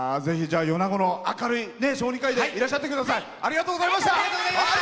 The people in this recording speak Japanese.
米子の明るい小児科医でいらっしゃってください。